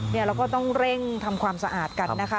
แล้วก็ต้องเร่งทำความสะอาดกันนะคะ